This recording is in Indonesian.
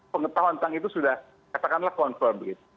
pengetahuan tentang itu sudah katakanlah confirm begitu